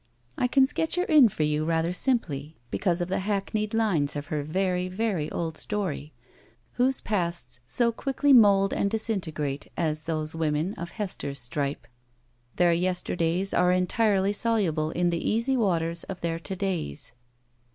I can sketch her in for you rather simply because of the hackneyed lines of her very, very old story. Whose pasts so quickly mold and disintegrate as those of women of Hester's stripe? Their yester days are entirely soluble in the easy waters of their to days.